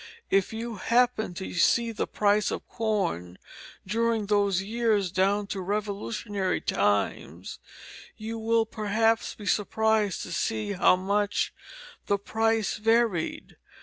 If you happen to see the price of corn during those years down to Revolutionary times, you will, perhaps, be surprised to see how much the price varied.